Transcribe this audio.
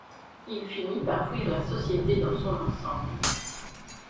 Il finit par fuir la société dans son ensemble.